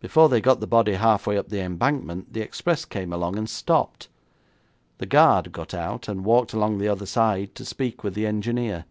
Before they got the body half way up the embankment the express came along and stopped. The guard got out and walked along the other side to speak with the engineer.